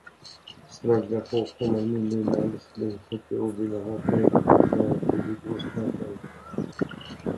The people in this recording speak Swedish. Strax därpå kommer min lilla älskling Putte och vill ha Pegg med till Idrottsparken.